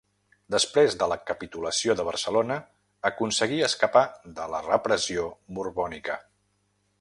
Després de la capitulació de Barcelona aconseguí escapar de la repressió borbònica.